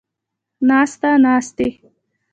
ناسته ، ناستې